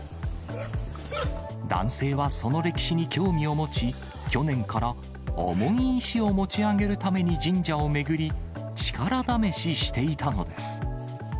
男性はその歴史に興味を持ち、去年から、重い石を持ち上げるために神社を巡り、力試ししていたのです。